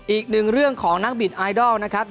อีกหนึ่งเรื่องของนักบิดไอดอลนะครับ